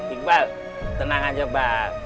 iqbal tenang aja bang